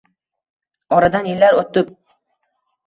oradan yillar oʻtib